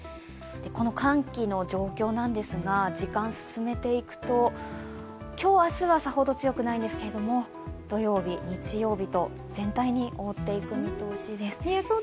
この寒気の状況なんですが、時間を進めていくと今日明日はさほど強くないんですが土曜日、日曜日と全体に覆っていく見通しです。